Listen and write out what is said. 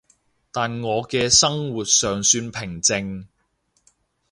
但我嘅生活尚算平靜